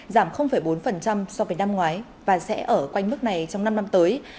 giảm bốn so với năm ngoái và sẽ ở quanh mức này trong năm năm tới